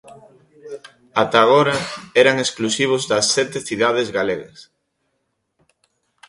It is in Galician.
Ata agora, eran exclusivos das sete cidades galegas.